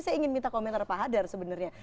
saya ingin minta komentar pak hadar sebenarnya